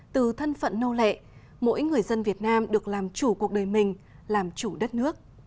từ thân phận nô lệ mỗi người dân việt nam được làm chủ cuộc đời mình làm chủ đất nước